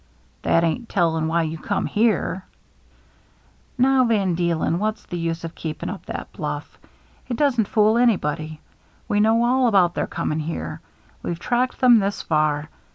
" That ain't telling why you come here J* " Now, Van Deelen, what's the use of keep ing up that bluff? It doesn't fool anybody. We know all about their coming here. We've tracked them this far.